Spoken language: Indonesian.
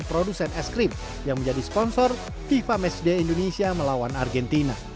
dan produsen eskrim yang menjadi sponsor fifa match day indonesia melawan argentina